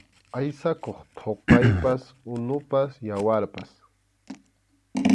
Aysakuq thuqaypas, unupas, yawarpas.